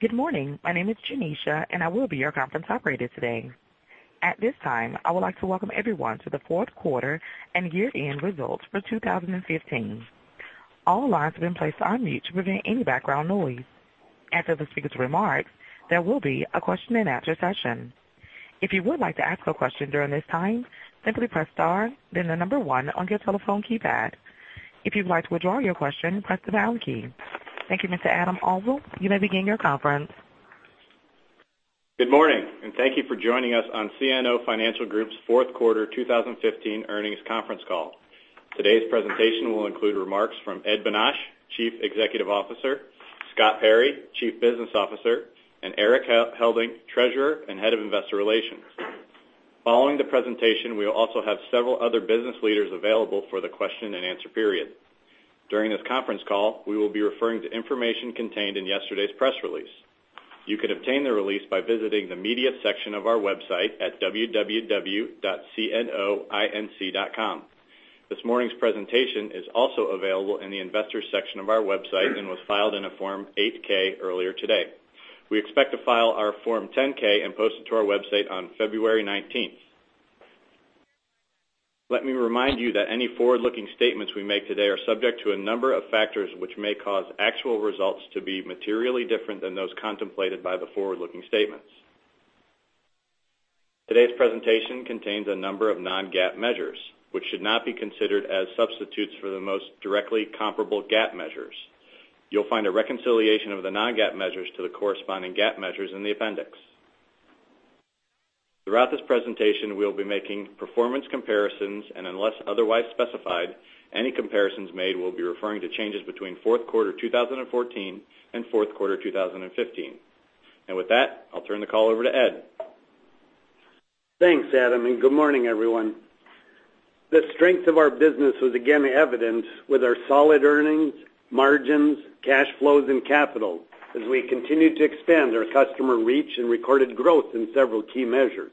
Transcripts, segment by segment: Good morning. My name is Janisha, and I will be your conference operator today. At this time, I would like to welcome everyone to the fourth quarter and year-end results for 2015. All lines have been placed on mute to prevent any background noise. After the speaker's remarks, there will be a question and answer session. If you would like to ask a question during this time, simply press star then the number one on your telephone keypad. If you'd like to withdraw your question, press the pound key. Thank you, Mr. Adam Auvil. You may begin your conference. Good morning, and thank you for joining us on CNO Financial Group's fourth quarter 2015 earnings conference call. Today's presentation will include remarks from Ed Bonach, Chief Executive Officer, Scott Perry, Chief Business Officer, and Erik Helding, Treasurer and Head of Investor Relations. Following the presentation, we will also have several other business leaders available for the question and answer period. During this conference call, we will be referring to information contained in yesterday's press release. You can obtain the release by visiting the media section of our website at www.cnoinc.com. This morning's presentation is also available in the investors section of our website and was filed in a Form 8-K earlier today. We expect to file our Form 10-K and post it to our website on February 19th. Let me remind you that any forward-looking statements we make today are subject to a number of factors which may cause actual results to be materially different than those contemplated by the forward-looking statements. Today's presentation contains a number of non-GAAP measures, which should not be considered as substitutes for the most directly comparable GAAP measures. You'll find a reconciliation of the non-GAAP measures to the corresponding GAAP measures in the appendix. Throughout this presentation, we'll be making performance comparisons, and unless otherwise specified, any comparisons made will be referring to changes between fourth quarter 2014 and fourth quarter 2015. With that, I'll turn the call over to Ed. Thanks, Adam, and good morning, everyone. The strength of our business was again evidenced with our solid earnings, margins, cash flows, and capital as we continued to expand our customer reach and recorded growth in several key measures.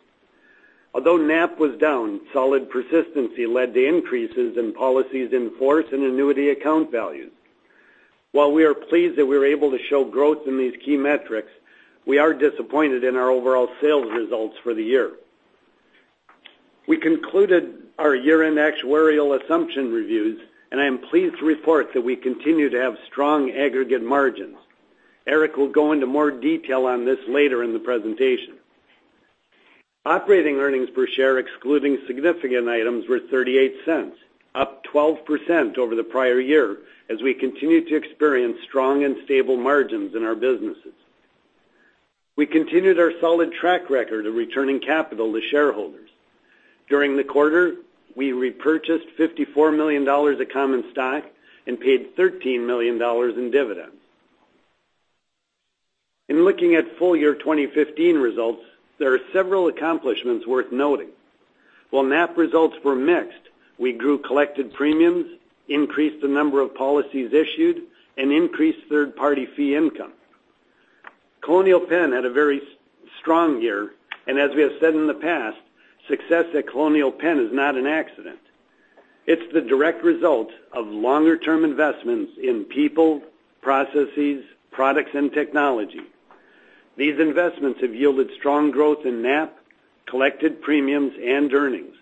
Although NAP was down, solid persistency led to increases in policies in force and annuity account values. While we are pleased that we were able to show growth in these key metrics, we are disappointed in our overall sales results for the year. We concluded our year-end actuarial assumption reviews, and I am pleased to report that we continue to have strong aggregate margins. Erik will go into more detail on this later in the presentation. Operating earnings per share excluding significant items were $0.38, up 12% over the prior year as we continued to experience strong and stable margins in our businesses. We continued our solid track record of returning capital to shareholders. During the quarter, we repurchased $54 million of common stock and paid $13 million in dividends. In looking at full year 2015 results, there are several accomplishments worth noting. While NAP results were mixed, we grew collected premiums, increased the number of policies issued, and increased third-party fee income. Colonial Penn had a very strong year. As we have said in the past, success at Colonial Penn is not an accident. It's the direct result of longer-term investments in people, processes, products, and technology. These investments have yielded strong growth in NAP, collected premiums, and earnings.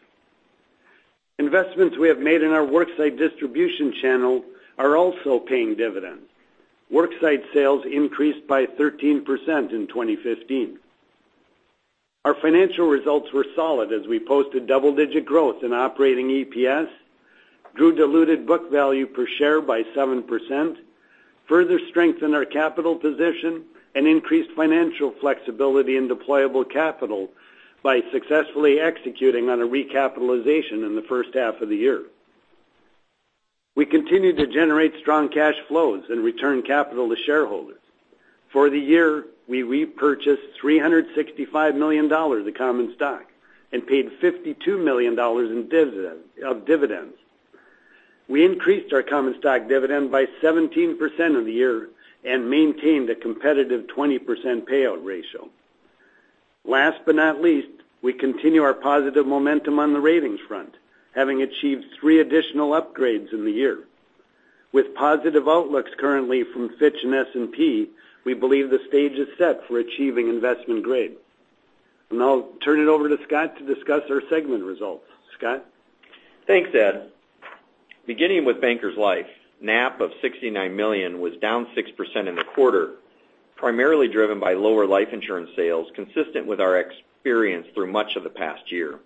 Investments we have made in our worksite distribution channel are also paying dividends. Worksite sales increased by 13% in 2015. Our financial results were solid as we posted double-digit growth in operating EPS, grew diluted book value per share by 7%, further strengthened our capital position, and increased financial flexibility in deployable capital by successfully executing on a recapitalization in the first half of the year. We continued to generate strong cash flows and return capital to shareholders. For the year, we repurchased $365 million of common stock and paid $52 million of dividends. We increased our common stock dividend by 17% in the year and maintained a competitive 20% payout ratio. Last but not least, we continue our positive momentum on the ratings front, having achieved three additional upgrades in the year. With positive outlooks currently from Fitch and S&P, we believe the stage is set for achieving investment grade. I'll turn it over to Scott to discuss our segment results. Scott? Thanks, Ed. Beginning with Bankers Life, NAP of $69 million was down 6% in the quarter, primarily driven by lower life insurance sales consistent with our experience through much of the past year.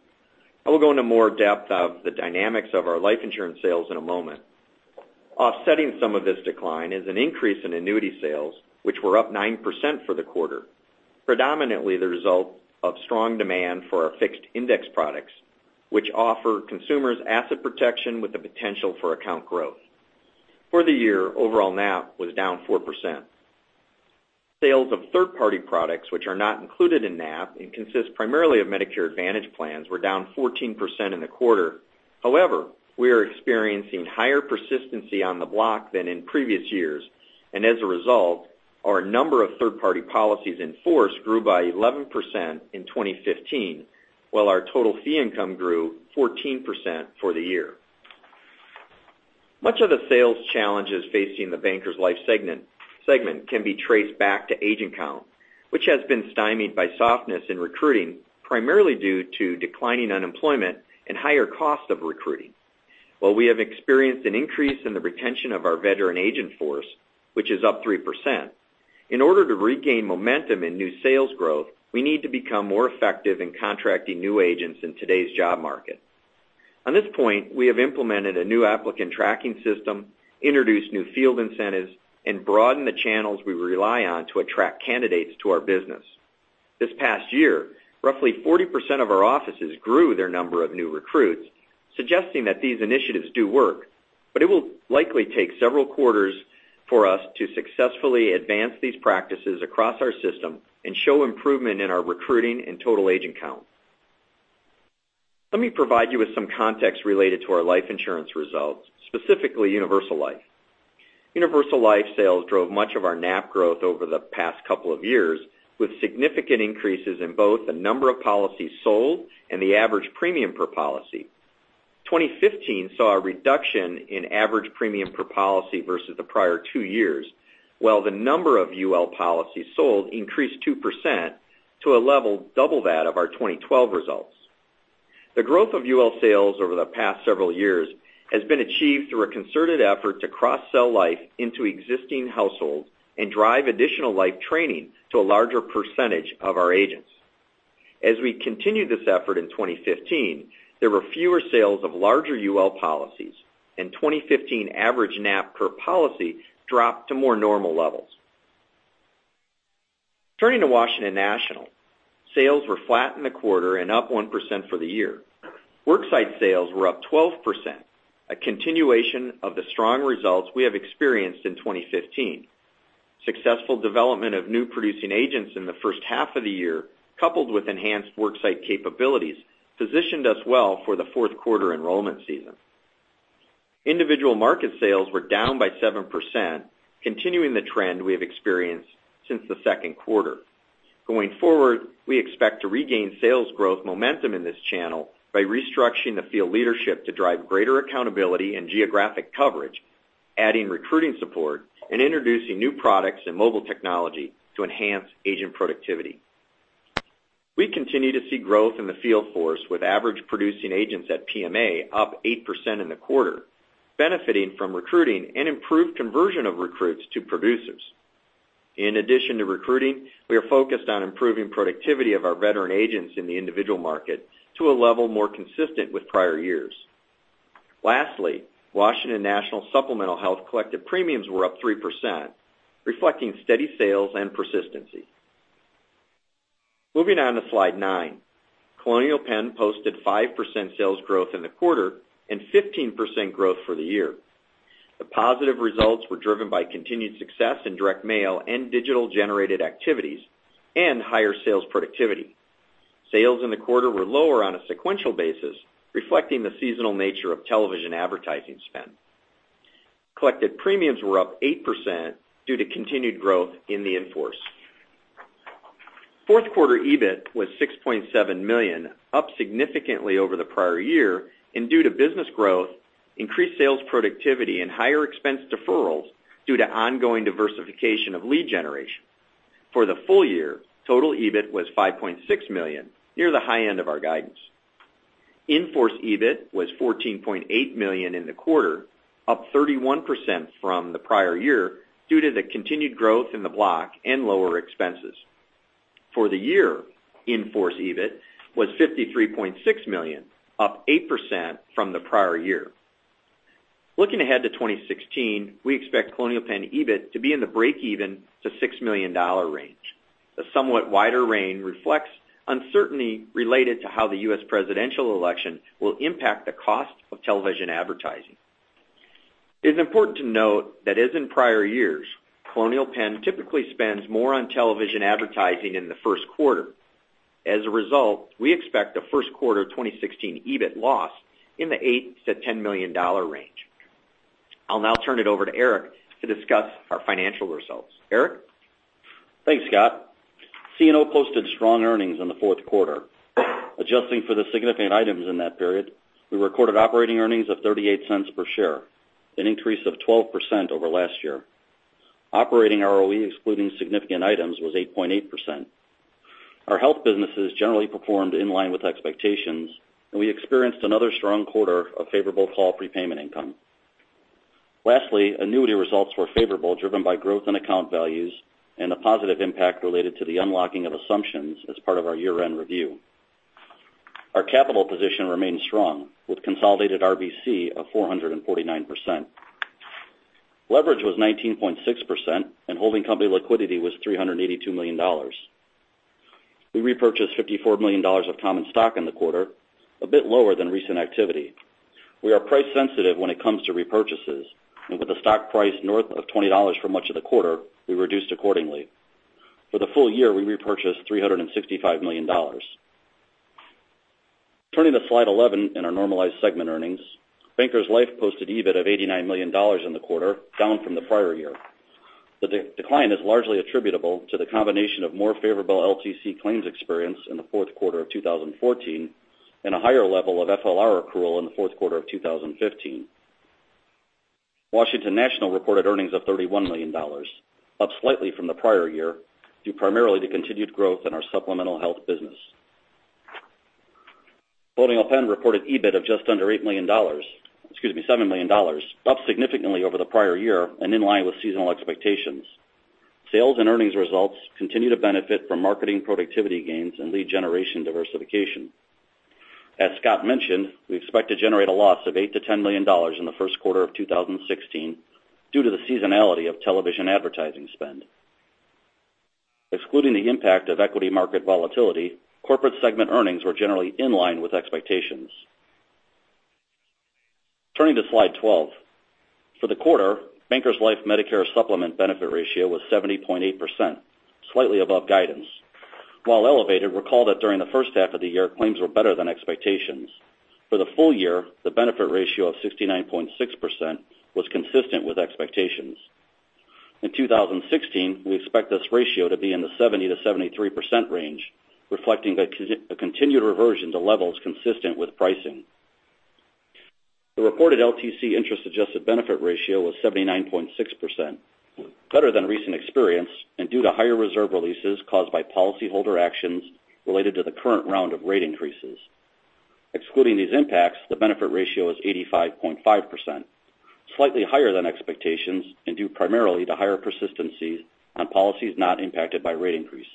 I will go into more depth of the dynamics of our life insurance sales in a moment. Offsetting some of this decline is an increase in annuity sales, which were up 9% for the quarter, predominantly the result of strong demand for our fixed index products, which offer consumers asset protection with the potential for account growth. For the year, overall NAP was down 4%. Sales of third-party products, which are not included in NAP and consist primarily of Medicare Advantage plans, were down 14% in the quarter. We are experiencing higher persistency on the block than in previous years. As a result, our number of third-party policies in force grew by 11% in 2015, while our total fee income grew 14% for the year. Much of the sales challenges facing the Bankers Life segment can be traced back to agent count, which has been stymied by softness in recruiting, primarily due to declining unemployment and higher costs of recruiting. While we have experienced an increase in the retention of our veteran agent force, which is up 3%, in order to regain momentum in new sales growth, we need to become more effective in contracting new agents in today's job market. On this point, we have implemented a new applicant tracking system, introduced new field incentives, and broadened the channels we rely on to attract candidates to our business. This past year, roughly 40% of our offices grew their number of new recruits, suggesting that these initiatives do work. It will likely take several quarters for us to successfully advance these practices across our system and show improvement in our recruiting and total agent count. Let me provide you with some context related to our life insurance results, specifically Universal Life. Universal Life sales drove much of our NAP growth over the past couple of years, with significant increases in both the number of policies sold and the average premium per policy. 2015 saw a reduction in average premium per policy versus the prior two years, while the number of UL policies sold increased 2% to a level double that of our 2012 results. The growth of UL sales over the past several years has been achieved through a concerted effort to cross-sell life into existing households and drive additional life training to a larger percentage of our agents. As we continued this effort in 2015, there were fewer sales of larger UL policies. 2015 average NAP per policy dropped to more normal levels. Turning to Washington National, sales were flat in the quarter and up 1% for the year. Worksite sales were up 12%, a continuation of the strong results we have experienced in 2015. Successful development of new producing agents in the first half of the year, coupled with enhanced worksite capabilities, positioned us well for the fourth quarter enrollment season. Individual market sales were down by 7%, continuing the trend we have experienced since the second quarter. Going forward, we expect to regain sales growth momentum in this channel by restructuring the field leadership to drive greater accountability and geographic coverage, adding recruiting support, and introducing new products and mobile technology to enhance agent productivity. We continue to see growth in the field force with average producing agents at PMA up 8% in the quarter, benefiting from recruiting and improved conversion of recruits to producers. In addition to recruiting, we are focused on improving productivity of our veteran agents in the individual market to a level more consistent with prior years. Lastly, Washington National supplemental health collected premiums were up 3%, reflecting steady sales and persistency. Moving on to slide nine. Colonial Penn posted 5% sales growth in the quarter and 15% growth for the year. The positive results were driven by continued success in direct mail and digital-generated activities and higher sales productivity. Sales in the quarter were lower on a sequential basis, reflecting the seasonal nature of television advertising spend. Collected premiums were up 8% due to continued growth in the in-force. Fourth quarter EBIT was $6.7 million, up significantly over the prior year and due to business growth, increased sales productivity, and higher expense deferrals due to ongoing diversification of lead generation. For the full year, total EBIT was $5.6 million, near the high end of our guidance. In-force EBIT was $14.8 million in the quarter, up 31% from the prior year due to the continued growth in the block and lower expenses. For the year, In-force EBIT was $53.6 million, up 8% from the prior year. Looking ahead to 2016, we expect Colonial Penn EBIT to be in the breakeven to $6 million range. The somewhat wider range reflects uncertainty related to how the U.S. presidential election will impact the cost of television advertising. It is important to note that as in prior years, Colonial Penn typically spends more on television advertising in the first quarter. As a result, we expect a first quarter 2016 EBIT loss in the $8 million to $10 million range. I'll now turn it over to Erik to discuss our financial results. Erik? Thanks, Scott. CNO posted strong earnings in the fourth quarter. Adjusting for the significant items in that period, we recorded operating earnings of $0.38 per share, an increase of 12% over last year. Operating ROE excluding significant items was 8.8%. Our health businesses generally performed in line with expectations, and we experienced another strong quarter of favorable call prepayment income. Lastly, annuity results were favorable, driven by growth in account values and a positive impact related to the unlocking of assumptions as part of our year-end review. Our capital position remains strong, with consolidated RBC of 449%. Leverage was 19.6%, and holding company liquidity was $382 million. We repurchased $54 million of common stock in the quarter, a bit lower than recent activity. We are price sensitive when it comes to repurchases, and with the stock price north of $20 for much of the quarter, we reduced accordingly. For the full year, we repurchased $365 million. Turning to slide 11 and our normalized segment earnings. Bankers Life posted EBIT of $89 million in the quarter, down from the prior year. The decline is largely attributable to the combination of more favorable LTC claims experience in the fourth quarter of 2014 and a higher level of FLR accrual in the fourth quarter of 2015. Washington National reported earnings of $31 million, up slightly from the prior year, due primarily to continued growth in our supplemental health business. Colonial Penn reported EBIT of just under $8 million. Excuse me, $7 million, up significantly over the prior year and in line with seasonal expectations. Sales and earnings results continue to benefit from marketing productivity gains and lead generation diversification. As Scott mentioned, we expect to generate a loss of $8 million to $10 million in the first quarter of 2016, due to the seasonality of television advertising spend. Excluding the impact of equity market volatility, corporate segment earnings were generally in line with expectations. Turning to slide 12. For the quarter, Bankers Life Medicare Supplement benefit ratio was 70.8%, slightly above guidance. While elevated, recall that during the first half of the year, claims were better than expectations. For the full year, the benefit ratio of 69.6% was consistent with expectations. In 2016, we expect this ratio to be in the 70%-73% range, reflecting a continued reversion to levels consistent with pricing. The reported LTC interest-adjusted benefit ratio was 79.6%, better than recent experience and due to higher reserve releases caused by policyholder actions related to the current round of rate increases. Excluding these impacts, the benefit ratio is 85.5%, slightly higher than expectations and due primarily to higher persistency on policies not impacted by rate increase.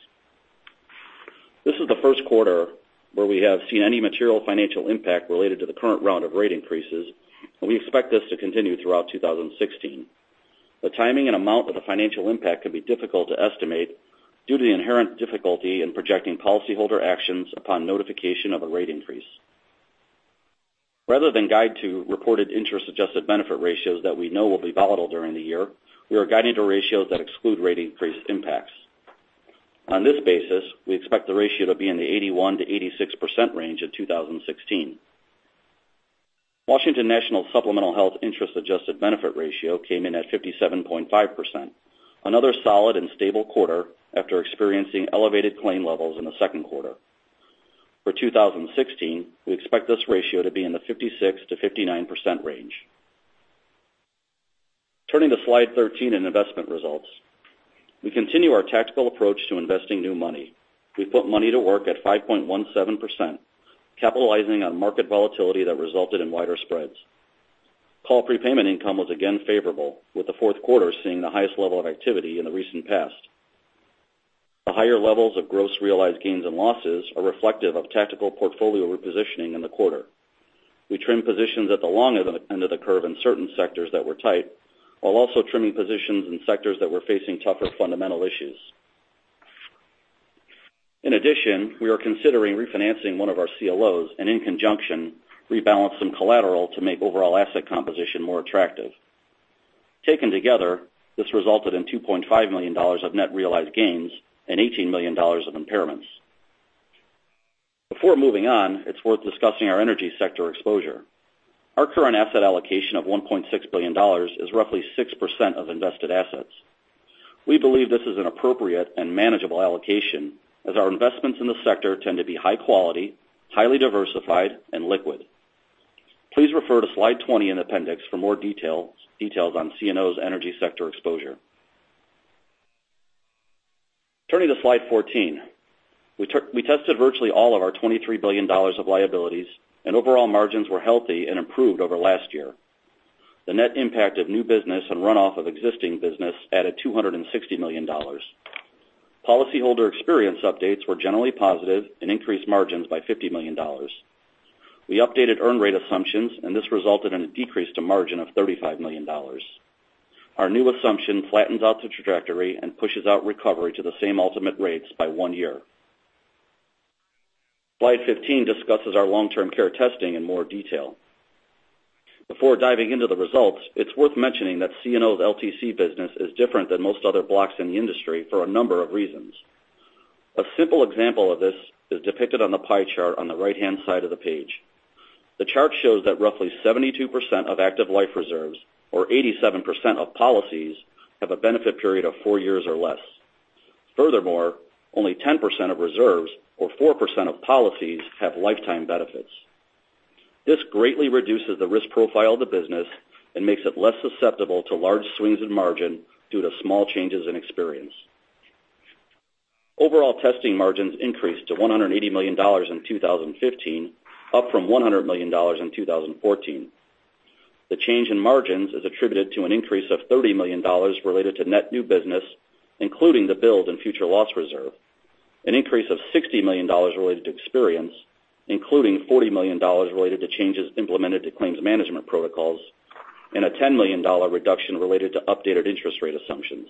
This is the first quarter where we have seen any material financial impact related to the current round of rate increases. We expect this to continue throughout 2016. The timing and amount of the financial impact could be difficult to estimate due to the inherent difficulty in projecting policyholder actions upon notification of a rate increase. Rather than guide to reported interest-adjusted benefit ratios that we know will be volatile during the year, we are guiding to ratios that exclude rate increase impacts. On this basis, we expect the ratio to be in the 81%-86% range in 2016. Washington National supplemental health interest-adjusted benefit ratio came in at 57.5%, another solid and stable quarter after experiencing elevated claim levels in the second quarter. For 2016, we expect this ratio to be in the 56%-59% range. Turning to slide 13 in investment results. We continue our tactical approach to investing new money. We put money to work at 5.17%, capitalizing on market volatility that resulted in wider spreads. Call prepayment income was again favorable, with the fourth quarter seeing the highest level of activity in the recent past. The higher levels of gross realized gains and losses are reflective of tactical portfolio repositioning in the quarter. We trimmed positions at the longer end of the curve in certain sectors that were tight, while also trimming positions in sectors that were facing tougher fundamental issues. We are considering refinancing one of our CLOs and, in conjunction, rebalance some collateral to make overall asset composition more attractive. Taken together, this resulted in $2.5 million of net realized gains and $18 million of impairments. Before moving on, it's worth discussing our energy sector exposure. Our current asset allocation of $1.6 billion is roughly 6% of invested assets. We believe this is an appropriate and manageable allocation as our investments in the sector tend to be high quality, highly diversified, and liquid. Please refer to slide 20 in appendix for more details on CNO's energy sector exposure. Turning to slide 14. We tested virtually all of our $23 billion of liabilities. Overall margins were healthy and improved over last year. The net impact of new business and runoff of existing business added $260 million. Policyholder experience updates were generally positive and increased margins by $50 million. This resulted in a decrease to margin of $35 million. Our new assumption flattens out the trajectory and pushes out recovery to the same ultimate rates by one year. Slide 15 discusses our long-term care testing in more detail. Before diving into the results, it's worth mentioning that CNO's LTC business is different than most other blocks in the industry for a number of reasons. A simple example of this is depicted on the pie chart on the right-hand side of the page. The chart shows that roughly 72% of active life reserves, or 87% of policies, have a benefit period of four years or less. Furthermore, only 10% of reserves or 4% of policies have lifetime benefits. This greatly reduces the risk profile of the business and makes it less susceptible to large swings in margin due to small changes in experience. Overall testing margins increased to $180 million in 2015, up from $100 million in 2014. The change in margins is attributed to an increase of $30 million related to net new business, including the build in future loss reserve, an increase of $60 million related to experience, including $40 million related to changes implemented to claims management protocols, and a $10 million reduction related to updated interest rate assumptions.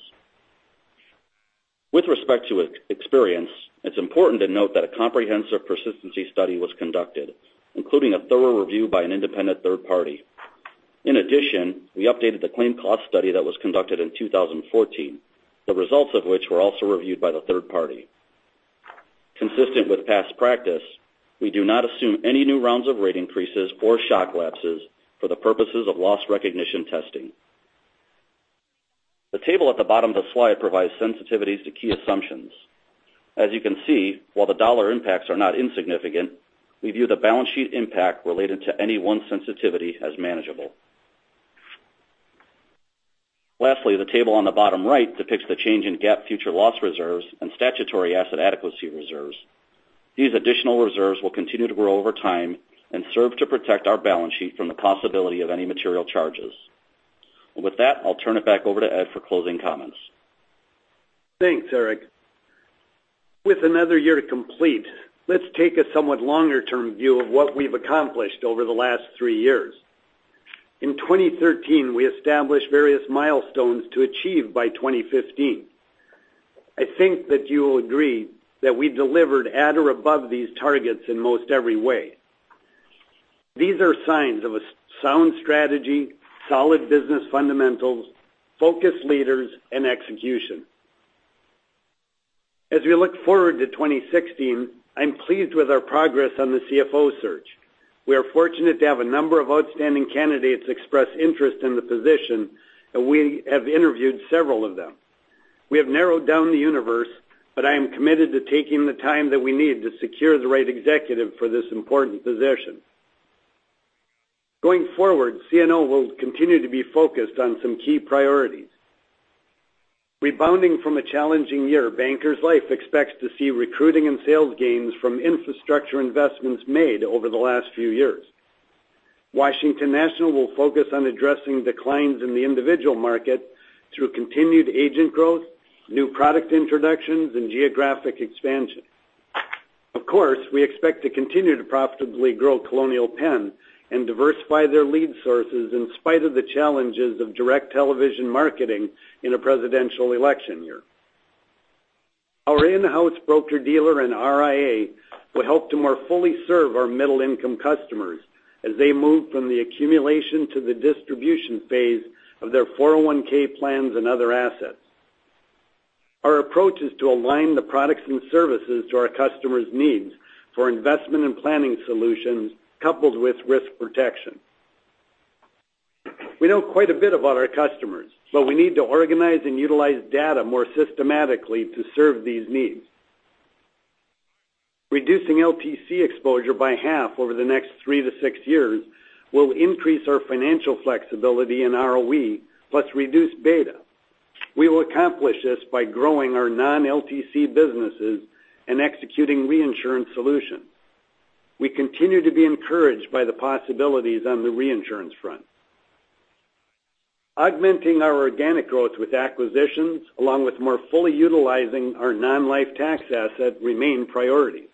With respect to experience, it's important to note that a comprehensive persistency study was conducted, including a thorough review by an independent third party. We updated the claim cost study that was conducted in 2014, the results of which were also reviewed by the third party. Consistent with past practice, we do not assume any new rounds of rate increases or shock lapses for the purposes of loss recognition testing. The table at the bottom of the slide provides sensitivities to key assumptions. As you can see, while the dollar impacts are not insignificant, we view the balance sheet impact related to any one sensitivity as manageable. Lastly, the table on the bottom right depicts the change in GAAP future loss reserves and statutory asset adequacy reserves. These additional reserves will continue to grow over time and serve to protect our balance sheet from the possibility of any material charges. With that, I'll turn it back over to Ed for closing comments. Thanks, Erik. With another year complete, let's take a somewhat longer-term view of what we've accomplished over the last three years. In 2013, we established various milestones to achieve by 2015. I think that you will agree that we delivered at or above these targets in most every way. These are signs of a sound strategy, solid business fundamentals, focused leaders, and execution. We look forward to 2016, I'm pleased with our progress on the CFO search. We are fortunate to have a number of outstanding candidates express interest in the position, and we have interviewed several of them. We have narrowed down the universe, I am committed to taking the time that we need to secure the right executive for this important position. Going forward, CNO will continue to be focused on some key priorities. Rebounding from a challenging year, Bankers Life expects to see recruiting and sales gains from infrastructure investments made over the last few years. Washington National will focus on addressing declines in the individual market through continued agent growth, new product introductions, and geographic expansion. Of course, we expect to continue to profitably grow Colonial Penn and diversify their lead sources in spite of the challenges of direct television marketing in a presidential election year. Our in-house broker-dealer and RIA will help to more fully serve our middle-income customers as they move from the accumulation to the distribution phase of their 401 plans and other assets. Our approach is to align the products and services to our customers' needs for investment and planning solutions, coupled with risk protection. We know quite a bit about our customers, but we need to organize and utilize data more systematically to serve these needs. Reducing LTC exposure by half over the next three to six years will increase our financial flexibility and ROE, plus reduce beta. We will accomplish this by growing our non-LTC businesses and executing reinsurance solutions. We continue to be encouraged by the possibilities on the reinsurance front. Augmenting our organic growth with acquisitions, along with more fully utilizing our non-life tax asset remain priorities.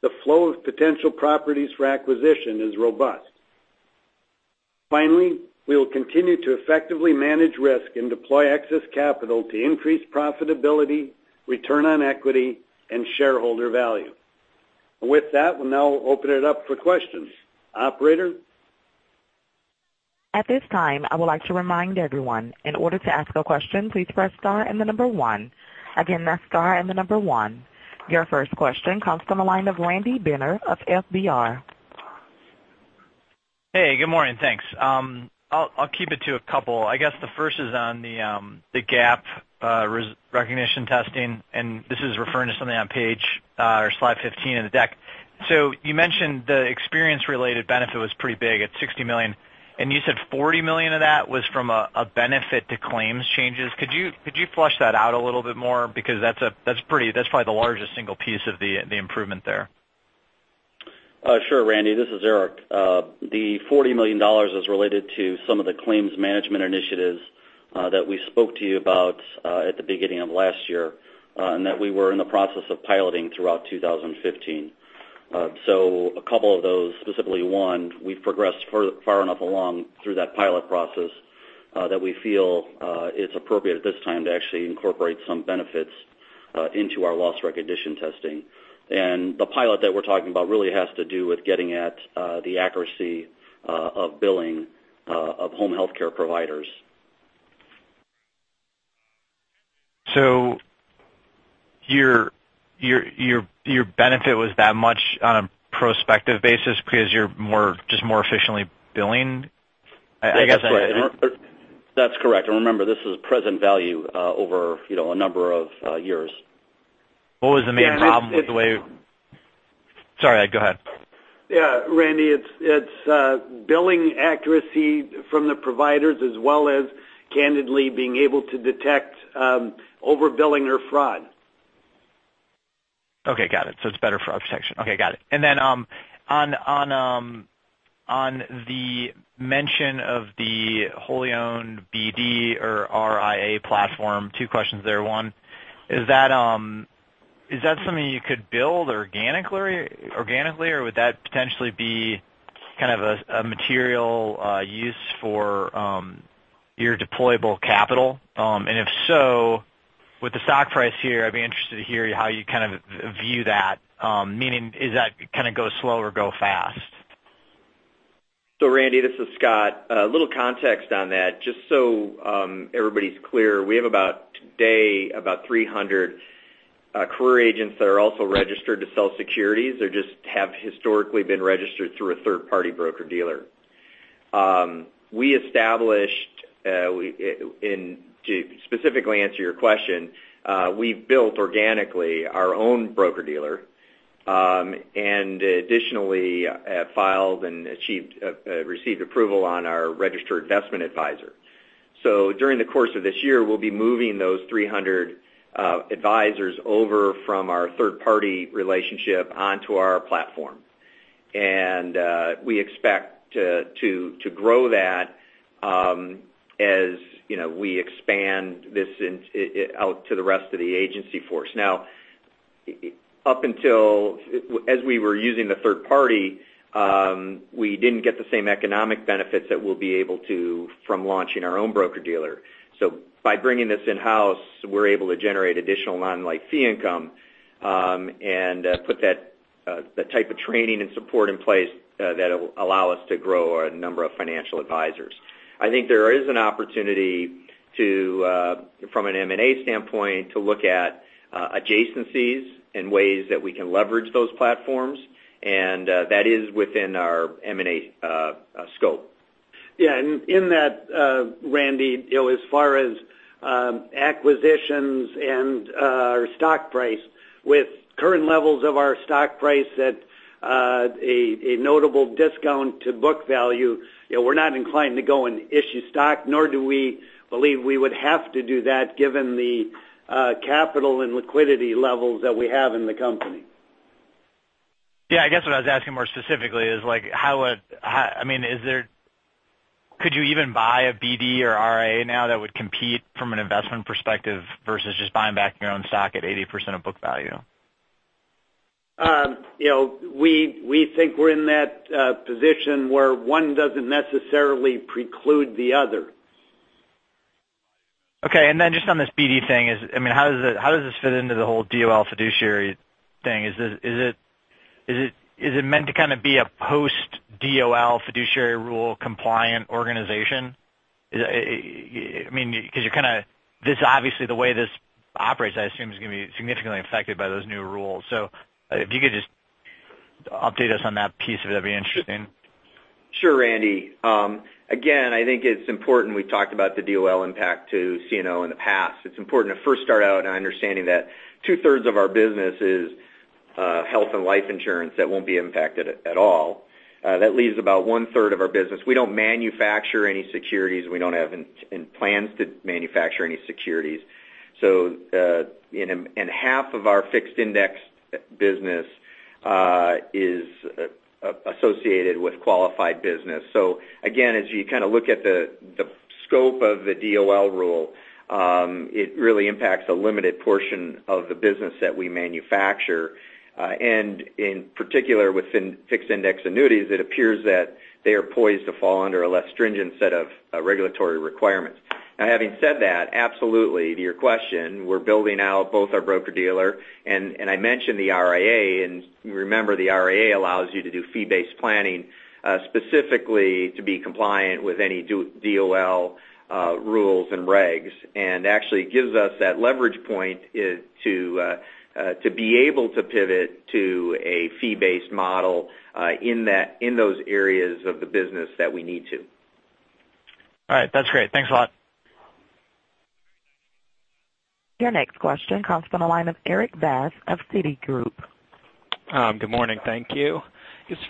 The flow of potential properties for acquisition is robust. Finally, we will continue to effectively manage risk and deploy excess capital to increase profitability, return on equity, and shareholder value. With that, we'll now open it up for questions. Operator? At this time, I would like to remind everyone, in order to ask a question, please press star and the number one. Again, press star and the number one. Your first question comes from the line of Randy Binner of FBR. Hey, good morning. Thanks. I'll keep it to a couple. I guess the first is on the GAAP recognition testing. This is referring to something on page or slide 15 in the deck. You mentioned the experience-related benefit was pretty big at $60 million, and you said $40 million of that was from a benefit to claims changes. Could you flesh that out a little bit more? That's probably the largest single piece of the improvement there. Sure, Randy. This is Erik. The $40 million is related to some of the claims management initiatives that we spoke to you about at the beginning of last year and that we were in the process of piloting throughout 2015. A couple of those, specifically one, we've progressed far enough along through that pilot process that we feel it's appropriate at this time to actually incorporate some benefits into our loss recognition testing. The pilot that we're talking about really has to do with getting at the accuracy of billing of home healthcare providers. Your benefit was that much on a prospective basis because you're just more efficiently billing? That's correct. Remember, this is present value over a number of years. What was the main problem with the way Sorry, Ed, go ahead. Yeah, Randy, it's billing accuracy from the providers, as well as candidly being able to detect overbilling or fraud. Okay, got it. It's better fraud protection. Okay, got it. On the mention of the wholly owned BD or RIA platform, two questions there. One, is that something you could build organically, or would that potentially be kind of a material use for your deployable capital? If so, with the stock price here, I'd be interested to hear how you kind of view that. Meaning, is that kind of go slow or go fast? Randy, this is Scott. A little context on that, just so everybody's clear, we have, today, about 300 career agents that are also registered to sell securities. They just have historically been registered through a third-party broker-dealer. To specifically answer your question, we've built organically our own broker-dealer, and additionally, filed and received approval on our registered investment advisor. During the course of this year, we'll be moving those 300 advisors over from our third-party relationship onto our platform. We expect to grow that as we expand this out to the rest of the agency force. As we were using the third-party, we didn't get the same economic benefits that we'll be able to from launching our own broker-dealer. By bringing this in-house, we're able to generate additional non-life fee income, and put that type of training and support in place that will allow us to grow our number of financial advisors. I think there is an opportunity, from an M&A standpoint, to look at adjacencies and ways that we can leverage those platforms, and that is within our M&A scope. Yeah. In that, Randy, as far as acquisitions and our stock price, with current levels of our stock price at a notable discount to book value, we're not inclined to go and issue stock, nor do we believe we would have to do that given the capital and liquidity levels that we have in the company. Yeah, I guess what I was asking more specifically is could you even buy a BD or RIA now that would compete from an investment perspective versus just buying back your own stock at 80% of book value? We think we're in that position where one doesn't necessarily preclude the other. Okay. Just on this BD thing, how does this fit into the whole DOL fiduciary thing? Is it meant to kind of be a post-DOL fiduciary rule compliant organization? Obviously the way this operates, I assume, is going to be significantly affected by those new rules. If you could just update us on that piece, that'd be interesting. Sure, Randy. Again, I think it's important, we've talked about the DOL impact to CNO in the past. It's important to first start out on understanding that two-thirds of our business is health and life insurance that won't be impacted at all. That leaves about one-third of our business. We don't manufacture any securities. We don't have plans to manufacture any securities. Half of our fixed index business is associated with qualified business. Again, as you look at the scope of the DOL rule, it really impacts a limited portion of the business that we manufacture. In particular, within fixed index annuities, it appears that they are poised to fall under a less stringent set of regulatory requirements. Having said that, absolutely, to your question, we're building out both our broker-dealer and I mentioned the RIA. Remember, the RIA allows you to do fee-based planning, specifically to be compliant with any DOL rules and regs. Actually gives us that leverage point to be able to pivot to a fee-based model, in those areas of the business that we need to. All right. That's great. Thanks a lot. Your next question comes from the line of Erik Bass of Citigroup. Good morning. Thank you.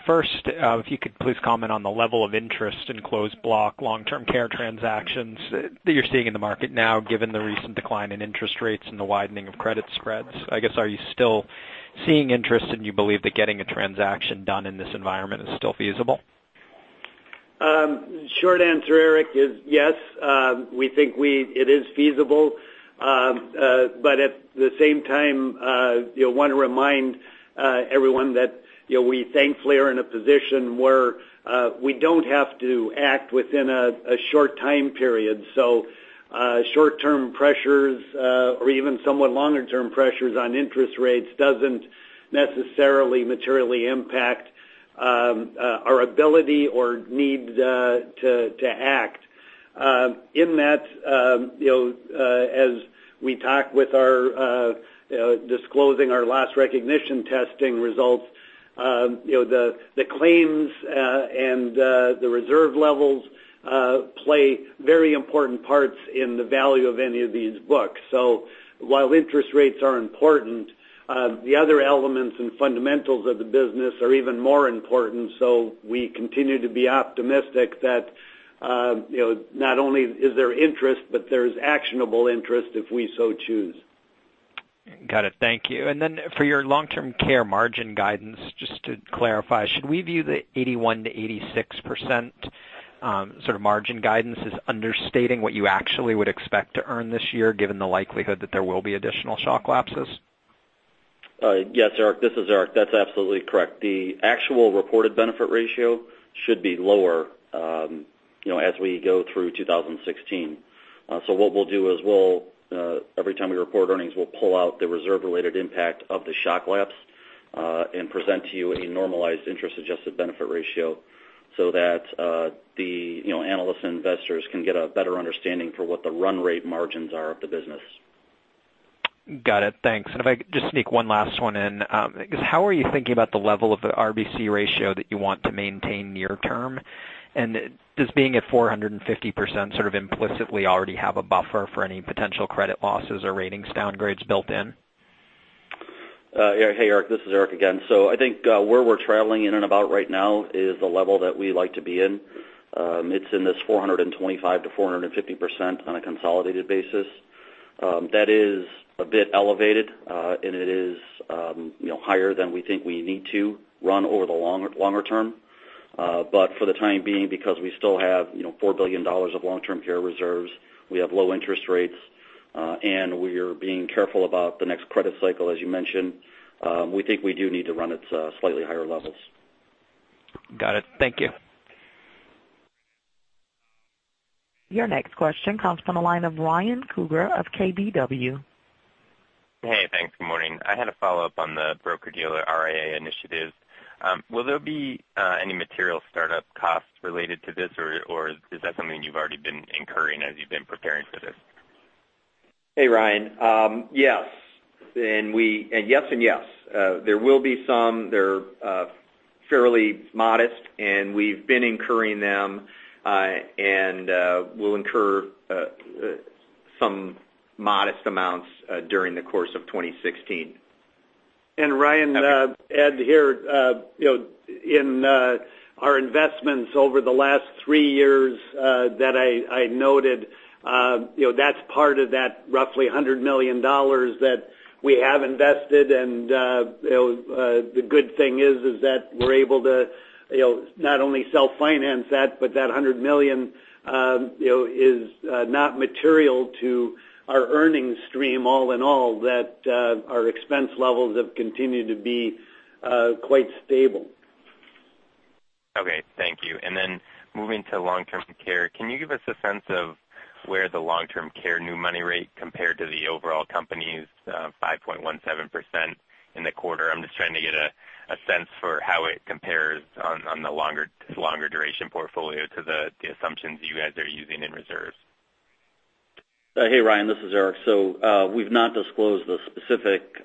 First, if you could please comment on the level of interest in closed block long-term care transactions that you're seeing in the market now, given the recent decline in interest rates and the widening of credit spreads. I guess, are you still seeing interest and you believe that getting a transaction done in this environment is still feasible? Short answer, Erik, is yes, we think it is feasible. At the same time, want to remind everyone that we thankfully are in a position where we don't have to act within a short time period. Short-term pressures, or even somewhat longer term pressures on interest rates doesn't necessarily materially impact our ability or need to act. In that, as we talk with disclosing our loss recognition testing results, the claims and the reserve levels play very important parts in the value of any of these books. While interest rates are important, the other elements and fundamentals of the business are even more important. We continue to be optimistic that not only is there interest, but there's actionable interest if we so choose. Got it. Thank you. For your long-term care margin guidance, just to clarify, should we view the 81%-86% sort of margin guidance as understating what you actually would expect to earn this year, given the likelihood that there will be additional shock lapses? Yes, Erik, this is Erik. That's absolutely correct. The actual reported benefit ratio should be lower As we go through 2016. What we'll do is every time we report earnings, we'll pull out the reserve-related impact of the shock lapse, and present to you a normalized interest-adjusted benefit ratio so that the analysts and investors can get a better understanding for what the run rate margins are of the business. Got it. Thanks. If I could just sneak one last one in. How are you thinking about the level of the RBC ratio that you want to maintain near-term? Does being at 450% sort of implicitly already have a buffer for any potential credit losses or ratings downgrades built in? Yeah. Hey, Erik. This is Erik again. I think where we're traveling in and about right now is the level that we like to be in. It's in this 425%-450% on a consolidated basis. That is a bit elevated, and it is higher than we think we need to run over the longer term. For the time being, because we still have $4 billion of long-term care reserves, we have low interest rates, and we're being careful about the next credit cycle, as you mentioned, we think we do need to run at slightly higher levels. Got it. Thank you. Your next question comes from the line of Ryan Krueger of KBW. Hey, thanks. Good morning. I had a follow-up on the broker-dealer RIA initiatives. Will there be any material startup costs related to this, or is that something you've already been incurring as you've been preparing for this? Hey, Ryan. Yes, and yes. There will be some, they're fairly modest, and we've been incurring them, and we'll incur some modest amounts during the course of 2016. Ryan, Ed here. In our investments over the last three years that I noted, that's part of that roughly $100 million that we have invested, and the good thing is that we're able to not only self-finance that, but that $100 million is not material to our earnings stream all in all, that our expense levels have continued to be quite stable. Okay, thank you. Moving to long-term care, can you give us a sense of where the long-term care new money rate compared to the overall company's 5.17% in the quarter? I'm just trying to get a sense for how it compares on the longer duration portfolio to the assumptions you guys are using in reserves. Hey, Ryan. This is Erik. We've not disclosed the specific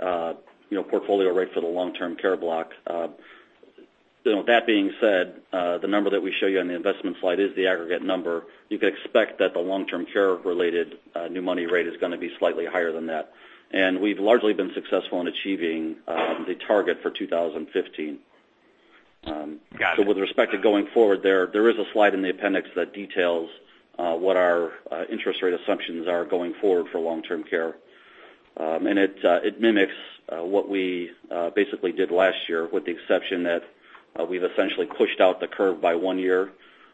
portfolio rate for the long-term care block. That being said, the number that we show you on the investment slide is the aggregate number. You can expect that the long-term care-related new money rate is going to be slightly higher than that. We've largely been successful in achieving the target for 2015. Got it. With respect to going forward there is a slide in the appendix that details what our interest rate assumptions are going forward for long-term care. It mimics what we basically did last year, with the exception that we've essentially pushed out the curve by one year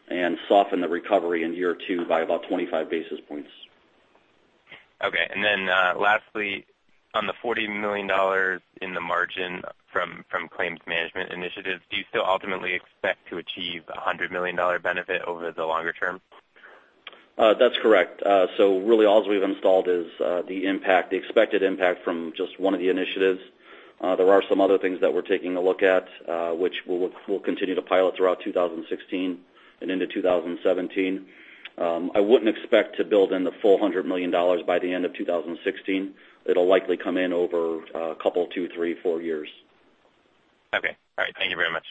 and softened the recovery in year 2 by about 25 basis points. Lastly, on the $40 million in the margin from claims management initiatives, do you still ultimately expect to achieve the $100 million benefit over the longer term? That's correct. Really all's we've installed is the expected impact from just one of the initiatives. There are some other things that we're taking a look at, which we'll continue to pilot throughout 2016 and into 2017. I wouldn't expect to build in the full $100 million by the end of 2016. It'll likely come in over a couple two, three, four years. Okay. All right. Thank you very much.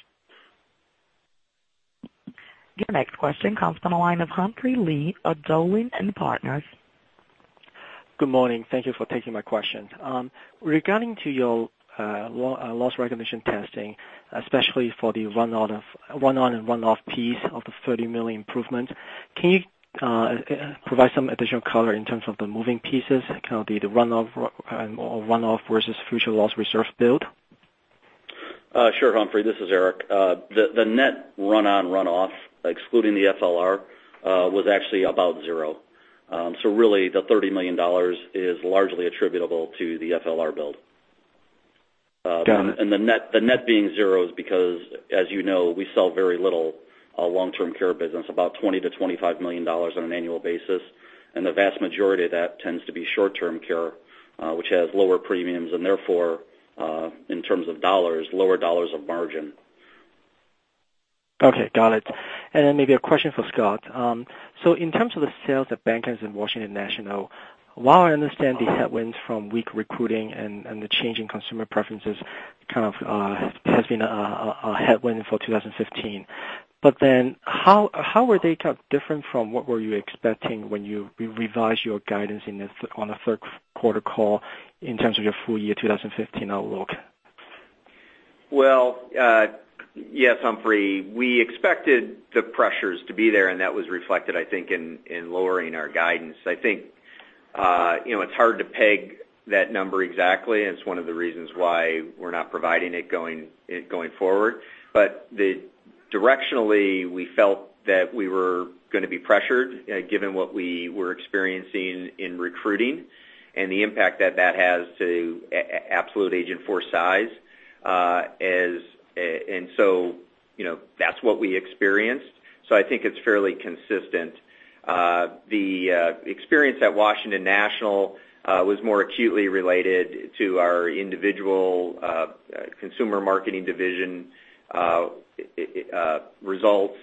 Your next question comes from the line of Humphrey Lee of Dowling & Partners. Good morning. Thank you for taking my question. Regarding to your loss recognition testing, especially for the run-on and run-off piece of the $30 million improvement, can you provide some additional color in terms of the moving pieces? Can it be the run-off versus future loss reserve build? Sure, Humphrey. This is Erik. The net run-on/run-off, excluding the FLR, was actually about zero. Really, the $30 million is largely attributable to the FLR build. Got it. The net being zero is because, as you know, we sell very little long-term care business, about $20 million-$25 million on an annual basis. The vast majority of that tends to be short-term care, which has lower premiums, and therefore, in terms of dollars, lower dollars of margin. Okay. Got it. Maybe a question for Scott. In terms of the sales at Bankers and Washington National, while I understand the headwinds from weak recruiting and the change in consumer preferences kind of has been a headwind for 2015, how were they different from what were you expecting when you revised your guidance on the third quarter call in terms of your full year 2015 outlook? Well, yes, Humphrey, we expected the pressures to be there, and that was reflected, I think, in lowering our guidance. I think it's hard to peg that number exactly, and it's one of the reasons why we're not providing it going forward. Directionally, we felt that we were going to be pressured, given what we were experiencing in recruiting and the impact that that has to absolute agent force size. That's what we experienced. I think it's fairly consistent. The experience at Washington National was more acutely related to our individual consumer marketing division results.